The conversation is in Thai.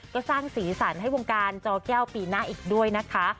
ก็สร้างสีสันให้วงการจอแก้วปีหน้าอีกด้วยนะคะ